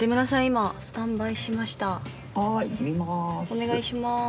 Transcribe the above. お願いします。